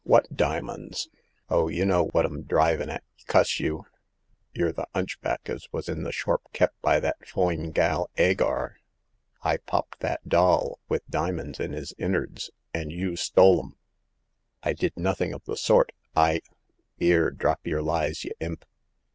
What diamonds ?''Oh, y' know what 'm drivin' at, cuss you ! Y're the 'unchback as wos in the shorp kep' by that foine gal 'Agar. I popped that doll, with dimins in *is innards, an* you stole 'm." I did nothing of the sort. I *'" 'Ere ! drop yer lies, y* imp